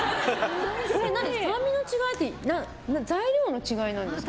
酸味の違いって材料の違いですか？